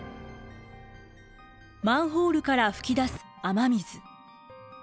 マンホールから噴き出す雨水。